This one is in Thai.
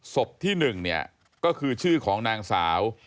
ศพที่๑เนี่ยก็คือชื่อของนางสาว